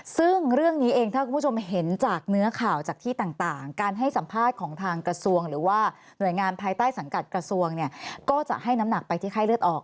ซึ่งเรื่องนี้เองถ้าคุณผู้ชมเห็นจากเนื้อข่าวจากที่ต่างการให้สัมภาษณ์ของทางกระทรวงหรือว่าหน่วยงานภายใต้สังกัดกระทรวงเนี่ยก็จะให้น้ำหนักไปที่ไข้เลือดออก